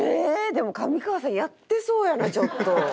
でも上川さんやってそうやなちょっと。